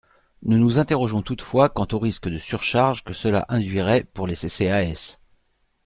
Nous nous interrogeons toutefois quant au risque de surcharge que cela induirait pour les CCAS.